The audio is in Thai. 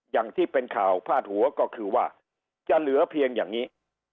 อย่างที่เป็นข่าวพาดหัวก็คือว่าจะเหลือเพียงอย่างนี้